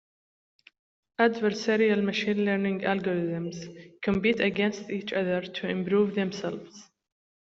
Adversarial machine learning algorithms compete against each other to improve themselves.